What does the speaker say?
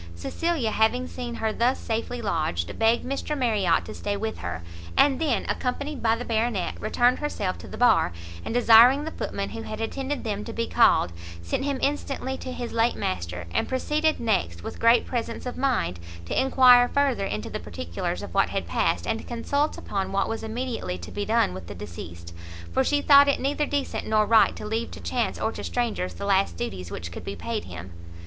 Cecilia, having seen her thus safely lodged, begged Mr Marriot to stay with her, and then, accompanied by the Baronet, returned herself to the bar, and desiring the footman who had attended them to be called, sent him instantly to his late master, and proceeded next with great presence of mind, to inquire further into the particulars of what had passed, and to consult upon what was immediately to be done with the deceased; for she thought it neither decent nor right to leave to chance or to strangers the last duties which could be paid him.